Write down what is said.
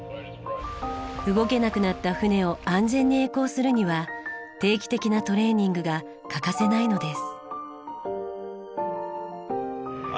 動けなくなった船を安全に曳航するには定期的なトレーニングが欠かせないのです。